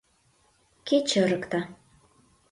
Кече ырыкта.